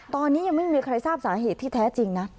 ตอนนี้ยังไม่มีใครทราบสาเหตุที่แท้จริงนะ